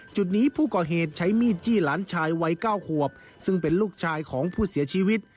จุดนี้ผู้ก่อเหตุใช้มีดจี้หลานชายวัย๙ขวบซึ่งเป็นลูกชายของผู้เสียชีวิต